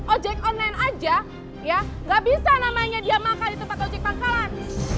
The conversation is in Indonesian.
ojek online aja ya nggak bisa namanya dia makan di tempat ojek pangkalan